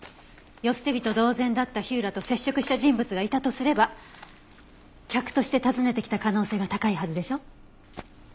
世捨て人同然だった火浦と接触した人物がいたとすれば客として訪ねてきた可能性が高いはずでしょ？